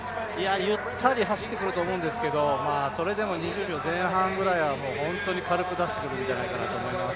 ゆったり走ってくると思うんですが、それでも２０秒前半ぐらいは本当に軽く出してくるんじゃないかなと思います。